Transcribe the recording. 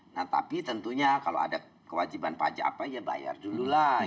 nah tapi tentunya kalau ada kewajiban pajak apa ya bayar dulu lah